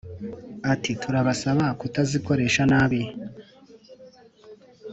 Ati “Turabasaba kutazikoresha nabi